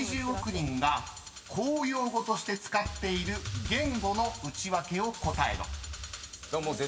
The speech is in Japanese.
人が公用語として使っている言語のウチワケを答えろ］